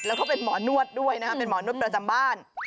แล้วก็เป็นหมอนวดด้วยนะครับเป็นหมอนวดประจำบ้าน